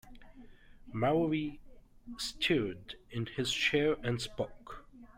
Maury stirred in his chair and spoke.